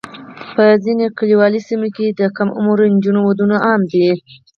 په ځینو کلیوالي سیمو کې د کم عمره نجونو ودونه عام دي.